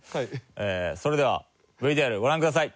それではＶＴＲご覧ください。